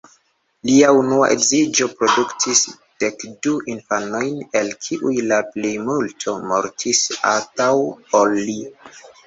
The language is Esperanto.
Lia unua edziĝo produktis dekdu infanojn, el kiuj la plejmulto mortis antaŭ ol li.